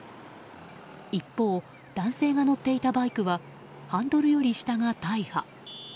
一方、男性が乗っていたバイクはハンドルより下が大破。